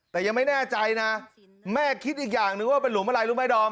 แต่ยังไม่แน่ใจนะแม่คิดอีกอย่างนึงว่าเป็นหลุมอะไรรู้ไหมดอม